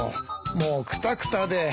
もうくたくたで。